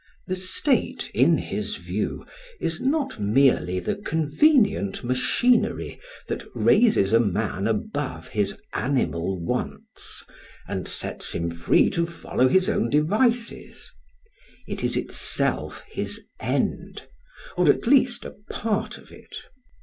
The state in his view is not merely the convenient machinery that raises a man above his animal wants and sets him free to follow his own devices; it is itself his end, or at least a part of it.